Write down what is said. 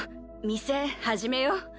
店始めよう。